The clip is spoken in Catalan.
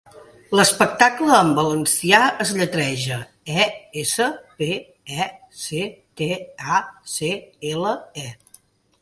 'Espectacle' en valencià es lletreja: e, esse, pe, e, ce, te, a, ce, ele, e.